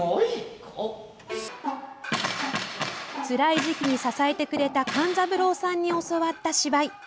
つらい時期に支えてくれた勘三郎さんに教わった芝居。